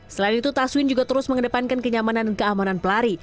selain itu taswin juga terus mengedepankan kenyamanan dan keamanan pelari